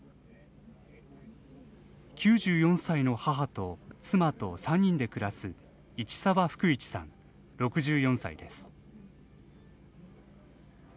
９４歳の母と妻と、３人で暮らす一沢福一さん、６４歳です。